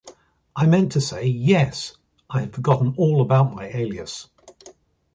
“I meant to say, Yes.” I had forgotten all about my alias.